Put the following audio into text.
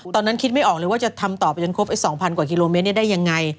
ตอนนั้นคิดไม่ออกเลยว่าจะทำต่อไปจนครบ๒๐๐กว่ากิโลเมตรได้ยังไง